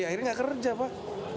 akhirnya gak kerja pak